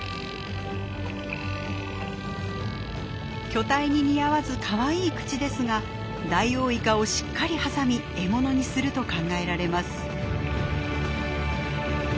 巨体に似合わずかわいい口ですがダイオウイカをしっかり挟み獲物にすると考えられます。